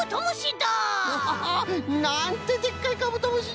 ホホホッ。なんてでっかいカブトムシ